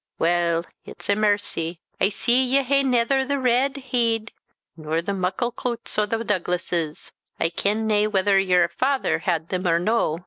Weel, it's ae mercy, I see ye hae neither the red heed nor the muckle cuits o' the Douglases. I ken nae whuther ye're faither had them or no.